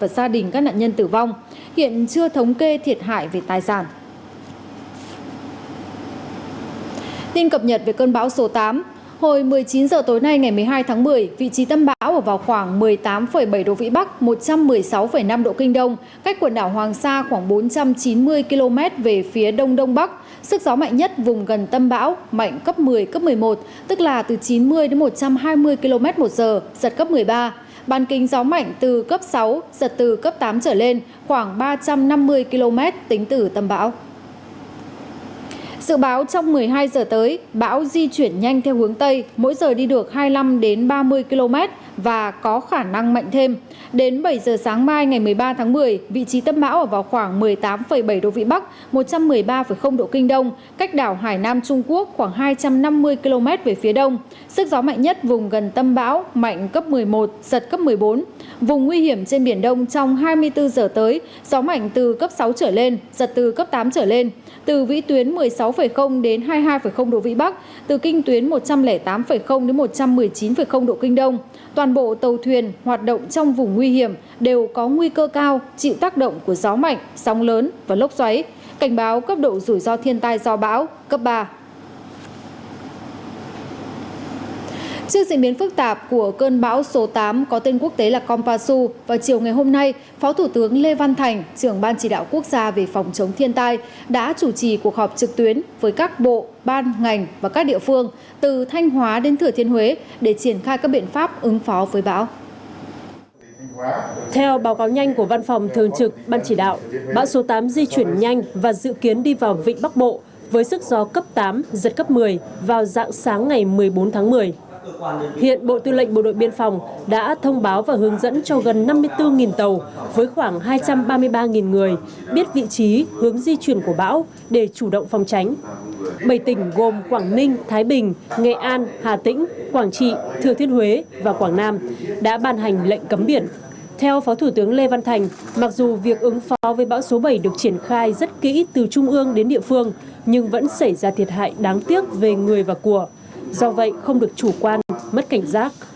công tác vận hành đảm bảo an toàn hồ đập thủy điện phối hợp chặt chẽ với chính quyền cơ sở thông tin kịp thời bảo đảm an toàn cho người dân nhất là trong tình huống phải xả lũ khẩn cấp